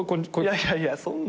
いやいやそんな。